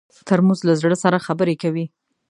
ترموز له زړه سره خبرې کوي.